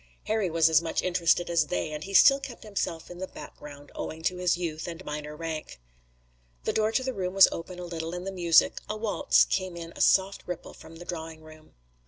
Harry was as much interested as they, and he still kept himself in the background, owing to his youth and minor rank. The door to the room was open a little and the music, a waltz, came in a soft ripple from the drawing room.